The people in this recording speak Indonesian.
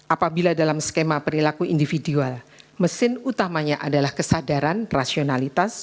apabila dalam skema perilaku individual mesin utamanya adalah kesadaran rasionalitas